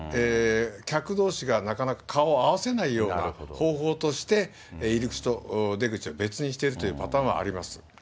客どうしがなかなか顔を合わせないような方法として、入り口と出口を別にしているというパターンはあります。